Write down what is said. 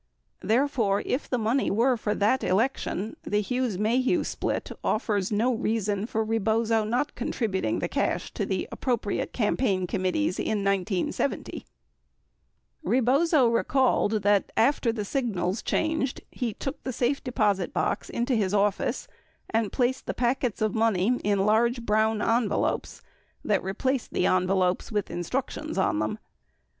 Therefore, if the money were for that election, the Hughes Maheu split offers no reason for Rebozo not contributing the cash to appropriate campaign committees in 1970. Rebozo recalled that after the signals changed he took the safe deposit box into his office, and placed the packets of money in large "brown envelopes" that replaced the envelopes with instructions on them.